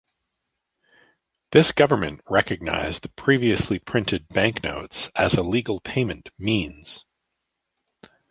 This government recognized the previously printed banknotes as a legal payment means.